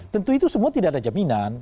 tentu itu semua tidak ada jaminan